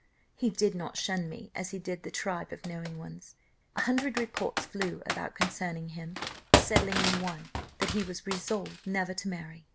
He did not shun me as he did the tribe of knowing ones; a hundred reports flew about concerning him, settling in one, that he was resolved never to marry.